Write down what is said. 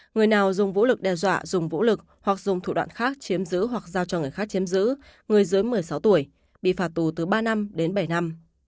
người nào dùng vũ lực đe dọa dùng vũ lực hoặc dùng thủ đoạn khác chiếm giữ hoặc giao cho người khác chiếm giữ người dưới một mươi sáu tuổi bị phạt tù từ ba năm đến bảy năm